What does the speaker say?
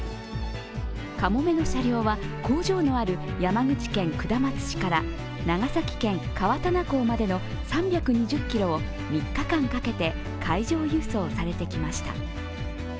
かもめの車両は工場のある山口県下松市から長崎県・川棚港までの３２０ｋｍを３日間かけて海上輸送されてきました。